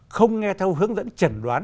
không nghe theo hướng dẫn trần đoán